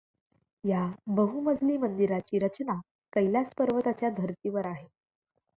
ह्या बहुमजली मंदिराची रचना कैलास पर्वताच्या धर्तीवर आहे.